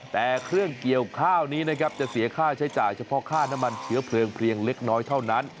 แต่เครื่องเกี่ยวข้าวนี้นะครับจะเสียค่าใช้จ่ายเฉพาะค่าน้ำมันเชื้อเพลิงเพียงเล็กน้อยเท่านั้น